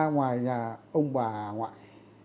ngoài nhà ông bà ngoại